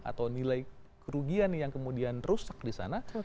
atau nilai kerugian yang kemudian rusak di sana